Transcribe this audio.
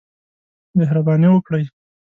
مهرباني وکړئ